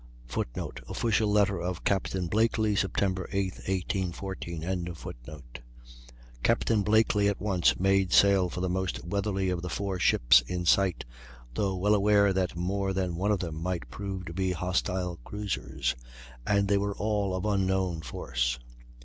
[Footnote: Official letter of Capt. Blakely. Sept. 8, 1814.] Capt. Blakely at once made sail for the most weatherly of the four ships in sight, though well aware that more than one of them might prove to be hostile cruisers, and they were all of unknown force.